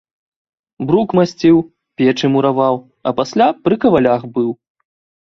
Брук масціў, печы мураваў, а пасля пры кавалях быў.